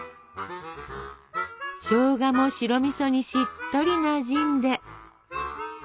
しょうがも白みそにしっとりなじんで。